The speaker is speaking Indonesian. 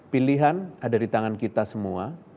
pilihan ada di tangan kita semua